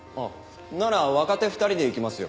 なら若手２人で行きますよ。